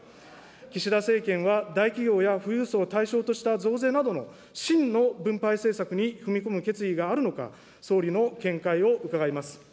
岸田政権は大企業や富裕層を対象とした増税などの真の分配政策に踏み込む決意があるのか、総理の見解を伺います。